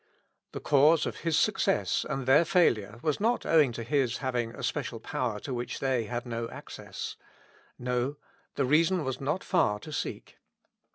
The cause of His success and their failure, was not owing to His having a special power to which they had no access. No ; the reason was not far to seek.